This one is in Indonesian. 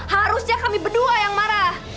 harusnya kami berdua yang marah